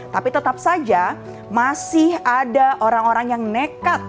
tapi tetap saja masih ada orang orang yang nekat